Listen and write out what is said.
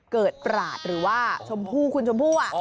เกิดประหลาดหรือว่าชมพู่คุณชมพู่อ่ะ